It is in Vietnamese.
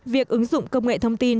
việc ứng dụng công nghệ thông tin